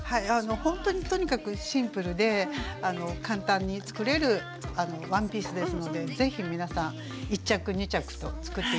ほんとにとにかくシンプルで簡単に作れるワンピースですので是非皆さん１着２着と作って頂きたいと思います。